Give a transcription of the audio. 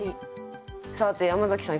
さて山崎さん